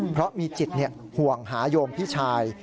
เพราะมีจิตห่วงหาโยมพี่ชาย